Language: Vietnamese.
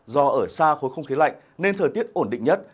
do ở xa khối không khí lạnh nên thời tiết ổn định nhất